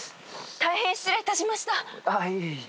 大変失礼いたしました。